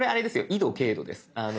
緯度・経度です。